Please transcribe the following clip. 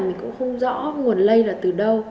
mình cũng không rõ nguồn lây là từ đâu